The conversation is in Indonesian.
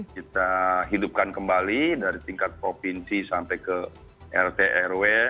kita hidupkan kembali dari tingkat provinsi sampai ke rtrw